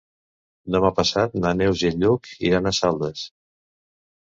Demà passat na Neus i en Lluc iran a Saldes.